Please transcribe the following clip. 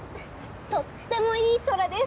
とってもいい空です！